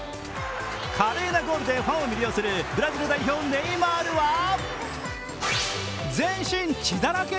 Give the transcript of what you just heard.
華麗なゴールでファンを魅了するブラジル代表・ネイマールは全身血だらけ？